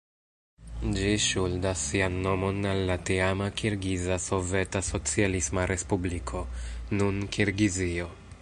Ĝi ŝuldas sian nomon al la tiama Kirgiza Soveta Socialisma Respubliko, nun Kirgizio.